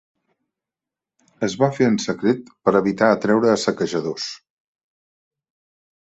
Es va fer en secret per evitar atraure a saquejadors.